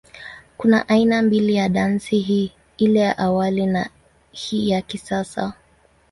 Kuna aina mbili ya dansi hii, ile ya awali na ya hii ya kisasa.